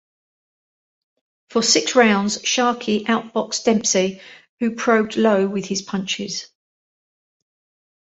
For six rounds Sharkey out-boxed Dempsey, who probed low with his punches.